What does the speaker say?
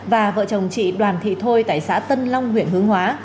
và vợ chồng chị đoàn thị thôi tại xã tân long huyện hướng hóa